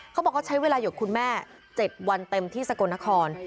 เขาบอกว่าใช้เวลาอยู่กับคุณแม่๗วันเต็มที่สกลนคร